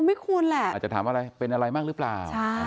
ไม่ควรแหละอาจจะถามอะไรเป็นอะไรมากหรือเปล่า